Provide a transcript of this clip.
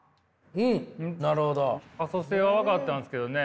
可塑性は分かったんですけどね